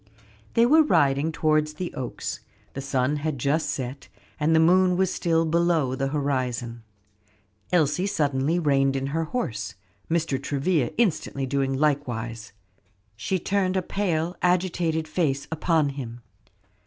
They were riding towards the Oaks; the sun had just set, and the moon was still below the horizon. Elsie suddenly reined in her horse, Mr. Travilla instantly doing likewise, and turned a pale, agitated face upon him.